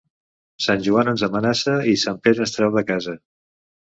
Sant Joan ens amenaça i Sant Pere ens trau de casa.